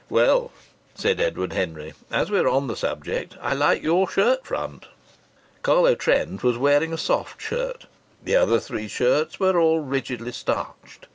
"Well," said Edward Henry, "as we're on the subject, I like your shirt front." Carlo Trent was wearing a soft shirt. The other three shirts were all rigidly starched.